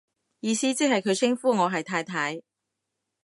意思即係佢稱呼我係太太